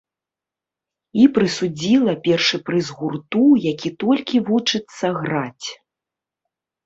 І прысудзіла першы прыз гурту, які толькі вучыцца граць.